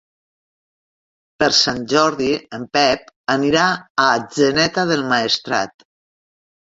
Per Sant Jordi en Pep anirà a Atzeneta del Maestrat.